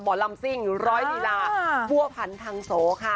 หมอลัมซิงร้อยติลาบั่วผันทังโสค่ะ